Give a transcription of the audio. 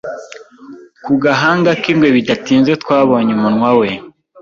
ku gahanga kingwe bidatinze twabonye umunwa we